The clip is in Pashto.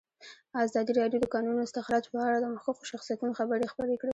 ازادي راډیو د د کانونو استخراج په اړه د مخکښو شخصیتونو خبرې خپرې کړي.